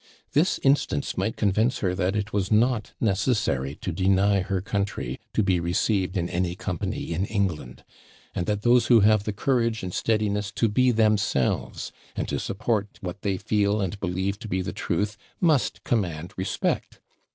This instance might convince her that it was not necessary to deny her country to be received in any company in England; and that those who have the courage and steadiness to be themselves, and to support what they feel and believe to be the truth, must command respect.